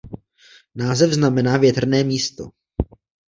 Název znamená větrné místo.